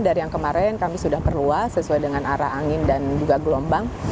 dari yang kemarin kami sudah perluas sesuai dengan arah angin dan juga gelombang